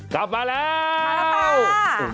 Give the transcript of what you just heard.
กลับมาแล้วมาแล้ว